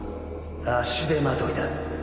足手まといだ。